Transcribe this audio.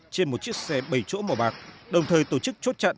trên một chiếc xe bảy chỗ màu bạc đồng thời tổ chức chốt chặn